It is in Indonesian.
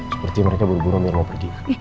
seperti mereka buru buru biar mau pergi